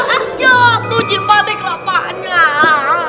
ah jatuh jin pakdeh kelapaannya